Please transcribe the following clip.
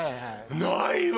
ないわ！